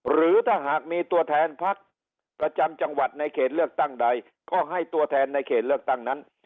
หรือถ้าหากมีตัวแทนพักประจำจังหวัดในเขตเลือกตั้งใดก็ให้ตัวแทนในเขตเลือกตั้งนั้น